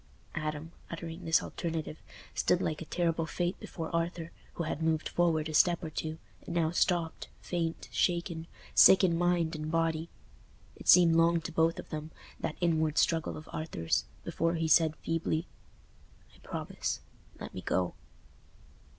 Adam, uttering this alternative, stood like a terrible fate before Arthur, who had moved forward a step or two, and now stopped, faint, shaken, sick in mind and body. It seemed long to both of them—that inward struggle of Arthur's—before he said, feebly, "I promise; let me go."